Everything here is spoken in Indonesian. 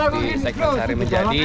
di sekretari menjadi